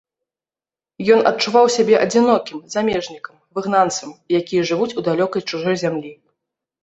Ён адчуваў сябе адзінокім, замежнікам, выгнанцам, якія жывуць у далёкай чужой зямлі.